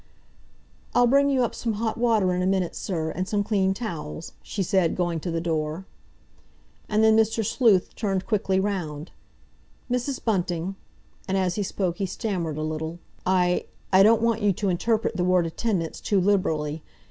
"I'll bring you up some hot water in a minute, sir, and some clean towels," she said, going to the door. And then Mr. Sleuth turned quickly round. "Mrs. Bunting"—and as he spoke he stammered a little—"I—I don't want you to interpret the word attendance too liberally.